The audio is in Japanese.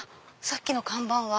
さっきの看板は。